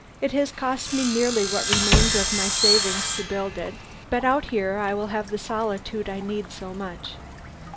It has cost me nearly what remains of my savings to build it, but out here I will have the solitude I need so much.